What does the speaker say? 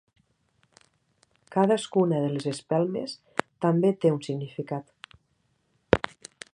Cadascuna de les espelmes també té un significat.